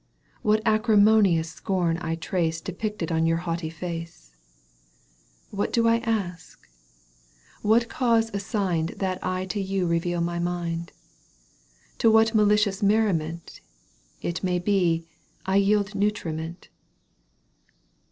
What acrimonious scorn I trace Depicted on your haughty face ! What do I ask ? What cause assigned That I to you reveal my mind ? To what malicious merriment. It may be, I yield nutriment